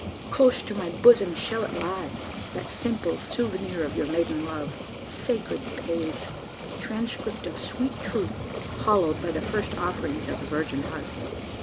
Close to my bosom shall it lie that simple souvenir of your maiden love. Sacred page! Transcript of sweet truth hallowed by the first offerings of a virgin heart!